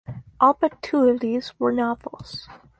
All but two of these were novels.